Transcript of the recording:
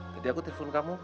jadi aku telpon kamu